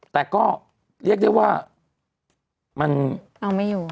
แต่ก็เรียกได้ว่ามันเอาไม่อยู่